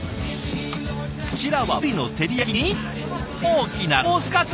こちらはぶりの照り焼きに大きなロースかつ。